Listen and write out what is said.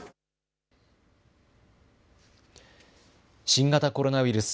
新型コロナウイルス。